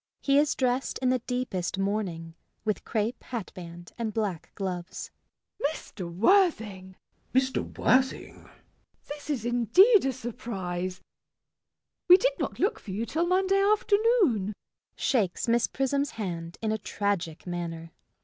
He is dressed in the deepest mourning, with crape hatband and black gloves.] MISS PRISM. Mr. Worthing! CHASUBLE. Mr. Worthing? MISS PRISM. This is indeed a surprise. We did not look for you till Monday afternoon. JACK. [Shakes Miss Prism's hand in a tragic manner.